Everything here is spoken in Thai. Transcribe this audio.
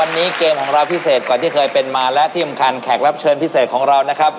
วันนี้เกมของเราพิเศษกว่าที่เคยเป็นมาและที่สำคัญแขกรับเชิญพิเศษของเรานะครับ